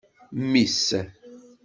Mmi-s.